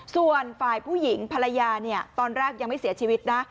ส่วนฝ่ายผู้หญิงภรรยาเนี่ยตอนแรกยังไม่เสียชีวิตนะ